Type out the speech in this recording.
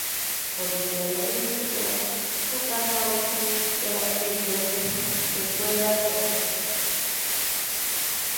Originariamente era sufragánea de la arquidiócesis de Puebla de los Ángeles.